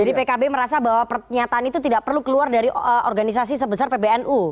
jadi pkb merasa bahwa pernyataan itu tidak perlu keluar dari organisasi sebesar pbnu